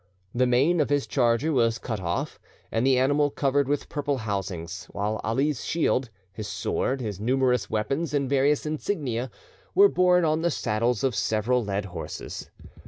The mane of his charger was cut off, and the animal covered with purple housings, while Ali's shield, his sword, his numerous weapons, and various insignia, were borne on the saddles of several led horses.